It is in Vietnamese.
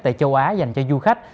tại châu á dành cho du khách